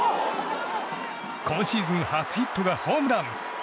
今シーズン初ヒットがホームラン。